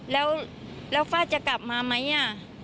แล้วแล้วฟ้ายจะกลับมาไหมอ่ะ